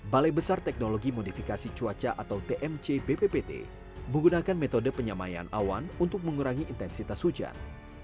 balai besar teknologi modifikasi cuaca atau tmc bppt menggunakan metode penyamaian awan untuk mengurangi intensitas hujan